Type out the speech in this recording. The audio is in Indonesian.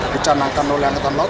bercanakan oleh angkatan laut